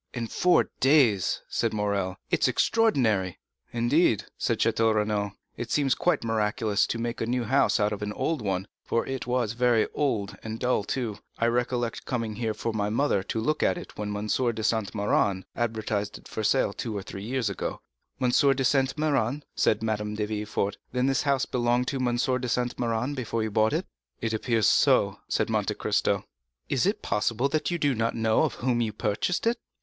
"In four days," said Morrel; "it is extraordinary!" "Indeed," said Château Renaud, "it seems quite miraculous to make a new house out of an old one; for it was very old, and dull too. I recollect coming for my mother to look at it when M. de Saint Méran advertised it for sale two or three years ago." "M. de Saint Méran?" said Madame de Villefort; "then this house belonged to M. de Saint Méran before you bought it?" "It appears so," replied Monte Cristo. "Is it possible that you do not know of whom you purchased it?"